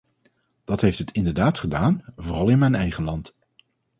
Dat heeft het inderdaad gedaan, vooral in mijn eigen land.